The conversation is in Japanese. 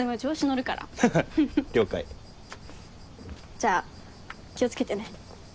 じゃあ気を付けてね。